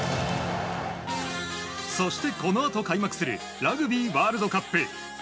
そして、このあと開幕するラグビーワールドカップ。